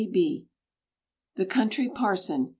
For THE COUNTRY PARSON.